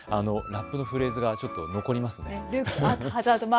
ラップのフレーズがちょっと残りますね。